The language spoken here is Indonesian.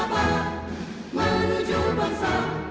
untuk menjaga cintra dan martabat